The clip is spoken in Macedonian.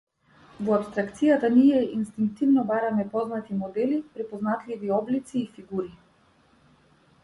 Во апстракцијата, ние инстинктивно бараме познати модели, препознатливи облици и фигури.